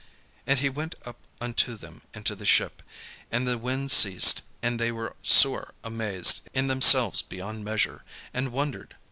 And he went up unto them into the ship; and the wind ceased: and they were sore amazed in themselves beyond measure, and wondered.